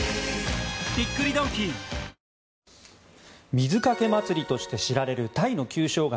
水かけ祭りとして知られるタイの旧正月